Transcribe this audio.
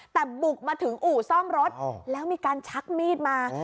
แต่บุกมาถึงอู่ซ่อมรถแล้วมีการชักมีดมา